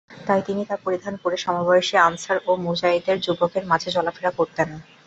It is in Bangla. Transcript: তাই তিনি তা পরিধান করে সমবয়সী আনসার ও মুহাজির যুবকদের মাঝে চলাফেরা করতেন।